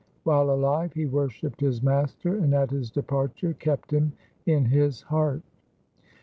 While alive he worshipped his Master, and at his departure kept Him in his heart.